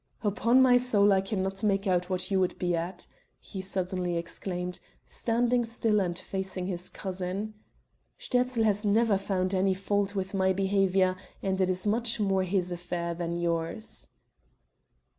"Upon my soul I cannot make out what you would be at!" he suddenly exclaimed, standing still and facing his cousin. "Sterzl has never found any fault with my behavior and it is much more his affair than yours."